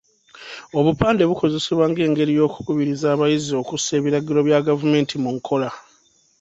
Obupande bukozesebwa nga engeri y’okukubiriza abayizi okussa ebiragiro bya gavumenti mu nkola.